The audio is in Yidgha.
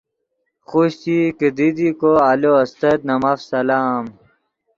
خوشچئی کیدی دی کو آلو استت نے ماف سلام۔